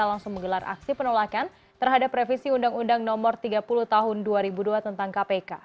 langsung menggelar aksi penolakan terhadap revisi undang undang nomor tiga puluh tahun dua ribu dua tentang kpk